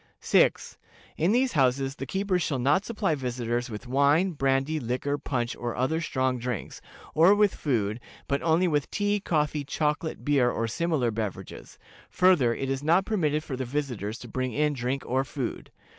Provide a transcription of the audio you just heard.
"6. In these houses the keepers shall not supply visitors with wine, brandy, liquor, punch, or other strong drinks, or with food, but only with tea, coffee, chocolate, beer, or similar beverages; further, it is not permitted for the visitors to bring in drink or food.